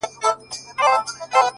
و ماته به د دې وطن د کاڼو ضرورت سي’